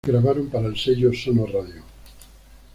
Grabaron para el sello Sono Radio.